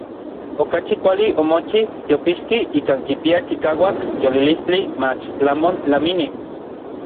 Okachi kuali omochij teopixki ikan kipia chikauak yolilistli mach tlamon tlamini.